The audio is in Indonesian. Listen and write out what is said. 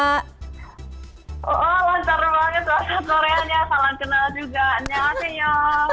oh lancar banget bahasa koreanya salam kenal juga annyeonghaseyo